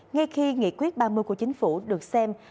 ngay khi nghị quyết ba mươi của chính phủ được xem